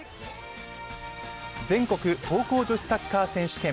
全国高校女子サッカー選手権。